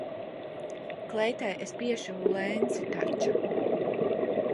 Kleitai es piešuvu lenci taču.